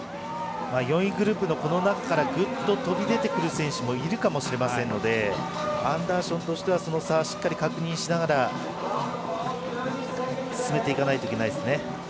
４位グループの中からぐっと飛び出てくる選手もいるかもしれませんのでアンダーションとしてはその差をしっかり確認しながら滑らないといけないですね。